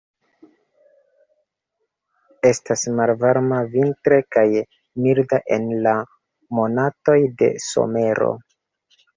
Estas malvarma vintre kaj milda en la monatoj de somero.